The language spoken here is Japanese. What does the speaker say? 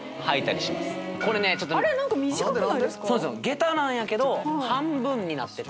下駄なんやけど半分になってて。